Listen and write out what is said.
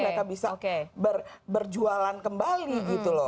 mereka bisa berjualan kembali gitu loh